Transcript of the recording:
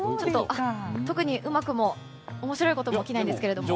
特にうまくも面白いことも起きないんですけど。